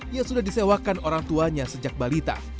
yang sudah disewakan orang tuanya sejak balita